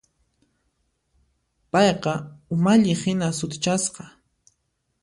Payqa umalliqhina sutichasqa.